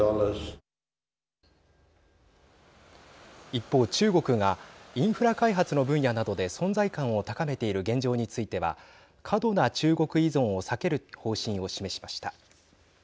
一方、中国がインフラ開発の分野などで存在感を高めている現状については過度な中国依存を避ける方針を示しました。